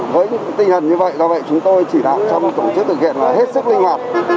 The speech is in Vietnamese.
với tinh thần như vậy do vậy chúng tôi chỉ đạo trong tổ chức thực hiện là hết sức linh hoạt